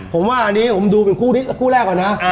ผมว่าอันนี้ผมดูเป็นคู่แรกก่อนนะ